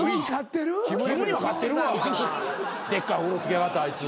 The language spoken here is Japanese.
でっかいほくろつけやがってあいつ。